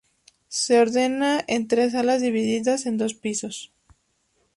Se ordena en tres alas, divididas en dos pisos.